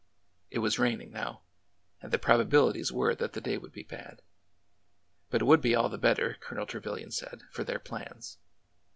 It was raining now, and the probabilities were that the day would be bad ; but it would be ail the better. Colonel Trevilian said, for their plans.